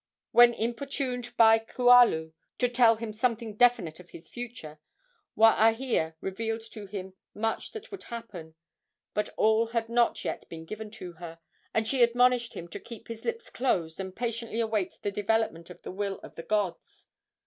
When importuned by Kualu to tell him something definite of his future, Waahia revealed to him much that would happen; but all had not yet been given to her, and she admonished him to keep his lips closed and patiently await the development of the will of the gods.